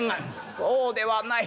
「そうではない。